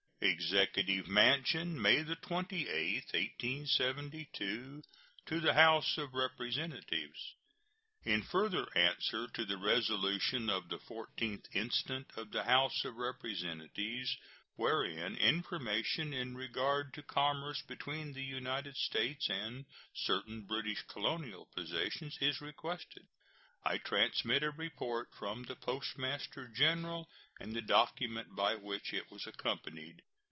EXECUTIVE MANSION, May 28, 1872. To the House of Representatives: In further answer to the resolution of the 14th instant of the House of Representatives, wherein information in regard to commerce between the United States and certain British colonial possessions is requested, I transmit a report from the Postmaster General and the document by which it was accompanied.